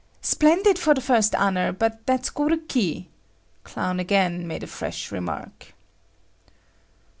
"Splendid for the first honor, but that's goruki," Clown again made a "fresh" remark.